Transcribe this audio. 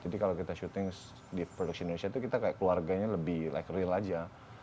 jadi kalau kita shooting di produksi indonesia itu kita kayak keluarganya lebih real aja